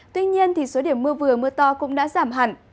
tuy nhiên số điểm mưa vừa mưa to cũng đã giảm hẳn